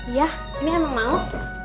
iya ini emang mau